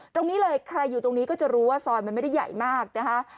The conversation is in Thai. ตรงนี้เลยใครอยู่ตรงนี้ก็จะรู้ว่าซอยมันไม่ได้ใหญ่มากนะคะ